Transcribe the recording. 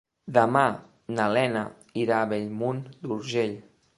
Demà na Lena irà a Bellmunt d'Urgell.